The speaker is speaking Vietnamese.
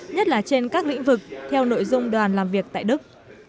nhất là trên các lĩnh vực theo nội dung đoàn làm việc tại đức